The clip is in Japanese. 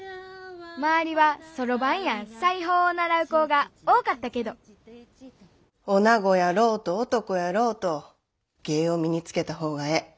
周りはソロバンや裁縫を習う子が多かったけどおなごやろうと男やろうと芸を身につけた方がええ。